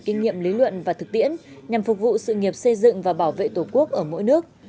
kinh nghiệm lý luận và thực tiễn nhằm phục vụ sự nghiệp xây dựng và bảo vệ tổ quốc ở mỗi nước